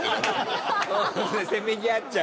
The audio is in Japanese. せめぎ合っちゃう。